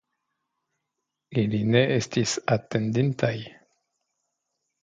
Ili ne estis atendintaj.